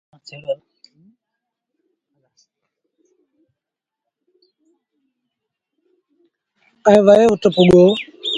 ائيٚݩ وهي اُت پُڳو۔